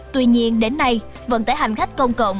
tuy nhiên đến nay vận tải hành khách công cộng